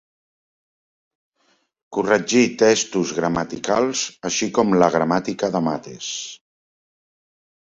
Corregí textos gramaticals, així com la gramàtica de Mates.